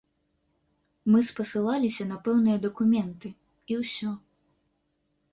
Мы спасылаліся на пэўныя дакументы і ўсё.